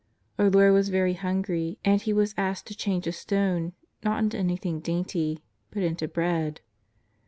Our Lord was very hungry and He was asked to change a stone, not into anything dainty but into bread.